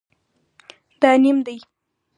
دا نیم دی